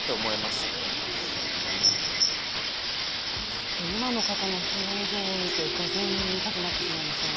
ちょっと今の方の表情を見てがぜん見たくなってしまいましたね。